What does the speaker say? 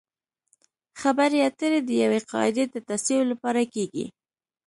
خبرې اترې د یوې قاعدې د تصویب لپاره کیږي